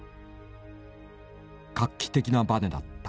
画期的なバネだった。